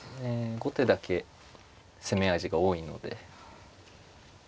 後手だけ攻め味が多いので。